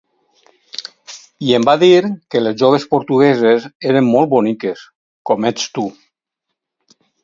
I em va dir que les joves portugueses eren molt boniques, com ets tu...